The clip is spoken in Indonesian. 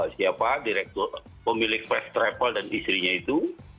siapa pemilik first travel dan istrinya itu